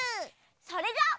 それじゃ！